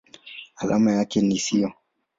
Alama yake ni SiO.